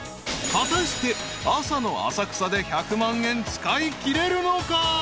［果たして朝の浅草で１００万円使いきれるのか？］